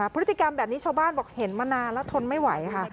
พฤติกรรมแบบนี้ชาวบ้านบอกเห็นมานานแล้วทนไม่ไหวค่ะ